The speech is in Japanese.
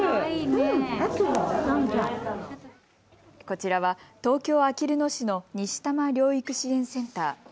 こちらは東京あきる野市の西多摩療育支援センター。